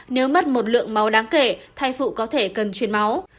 nếu mất một lượng máu đáng kể thai phụ có thể cần truyền máu